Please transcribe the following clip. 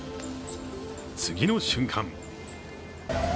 次の瞬間